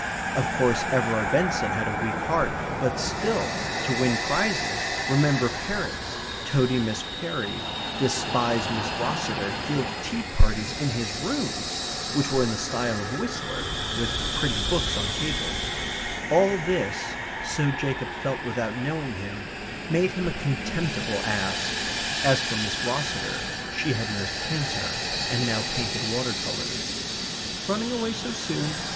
Of course Everard Benson had a weak heart, but still, to win prizes, remember parrots, toady Miss Perry, despise Miss Rosseter, give tea parties in his rooms (which were in the style of Whistler, with pretty books on tables), all this, so Jacob felt without knowing him, made him a contemptible ass. As for Miss Rosseter, she had nursed cancer, and now painted water colours. "Running away so soon?"